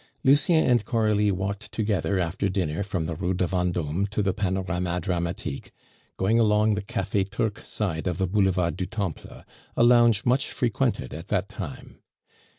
Lucien and Coralie walked together after dinner from the Rue de Vendome to the Panorama Dramatique, going along the Cafe Turc side of the Boulevard du Temple, a lounge much frequented at that time.